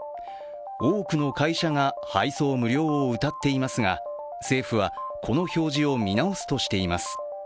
多くの会社が配送無料をうたっていますが、政府はこの表示を見直すとしています